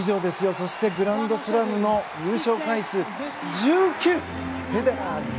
そしてグランドスラムの優勝回数は１９。